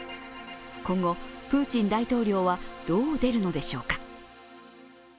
今後プーチン大統領は、どう出るのでしょうか。